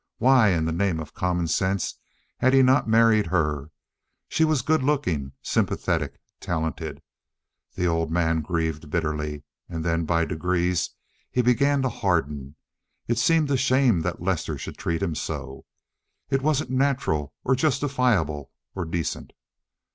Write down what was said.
Why in the name of common sense had he not married her? She was good looking, sympathetic, talented. The old man grieved bitterly, and then, by degrees, he began to harden. It seemed a shame that Lester should treat him so. It wasn't natural, or justifiable, or decent.